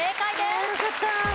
よかった！